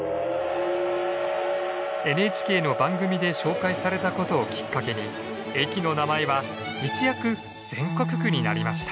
ＮＨＫの番組で紹介されたことをきっかけに駅の名前は一躍全国区になりました。